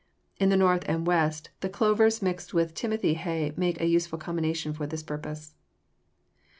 In the North and West the clovers mixed with timothy hay make a useful combination for this purpose.